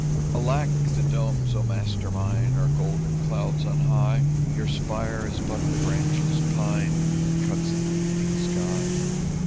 "Alack! the domes, O master mine, Are golden clouds on high; Yon spire is but the branchless pine That cuts the evening sky."